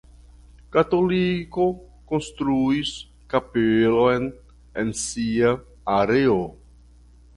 Katoliko konstruis kapelon en sia areo.